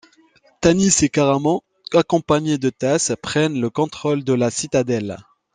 Tanis et Caramon, accompagnés de Tas, prennent le contrôle de la citadelle.